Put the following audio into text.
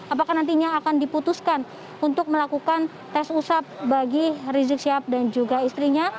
apakah nantinya akan diputuskan untuk melakukan tes usap bagi rizik syihab dan juga istrinya